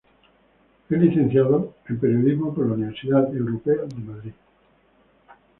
Es licenciado en periodismo por la Universidad Europea de Madrid.